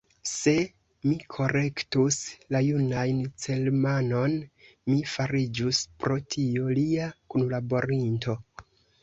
Se mi korektus la junan Germanon, mi fariĝus, pro tio, lia kunlaborinto.